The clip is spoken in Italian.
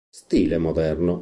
Stile moderno